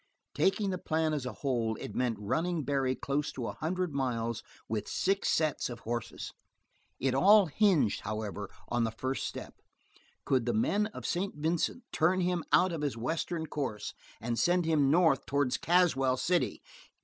Taking the plan as a whole it meant running Barry close to a hundred miles with six sets of horses. It all hinged, however, on the first step: Could the men of St. Vincent turn him out of his western course and send him north towards Caswell City?